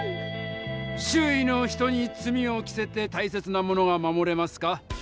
周囲の人に罪を着せてたいせつなものが守れますか？